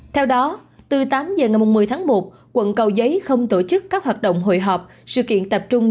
theo đó từ tám h ngày một mươi tháng một quận cầu giấy không tổ chức các hoạt động hội họp sự kiện tập trung